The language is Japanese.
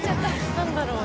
何だろう？